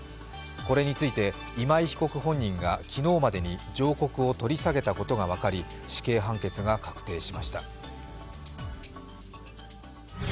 これについて今井被告本人が昨日までに上告を取り下げたことが分かり死刑判決が確定しました。